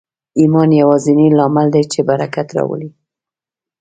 ایمان یوازېنی لامل دی چې برکت راوړي